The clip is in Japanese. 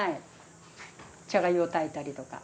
茶粥を炊いたりとか。